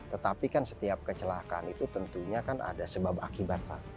tetapi kan setiap kecelakaan itu tentunya ada sebab akibat